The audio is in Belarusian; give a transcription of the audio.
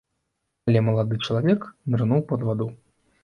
Але малады чалавек нырнуў пад ваду.